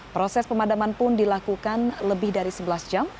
proses pemadaman pun dilakukan lebih dari sebelas jam